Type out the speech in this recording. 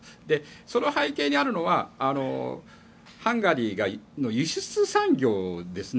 その背景にあるのはハンガリーの輸出産業ですね。